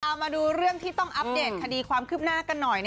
เอามาดูเรื่องที่ต้องอัปเดตคดีความคืบหน้ากันหน่อย